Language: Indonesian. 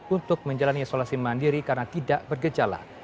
untuk menjalani isolasi mandiri karena tidak bergejala